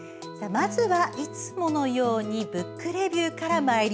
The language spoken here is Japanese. まずはいつものように「ブックレビュー」から。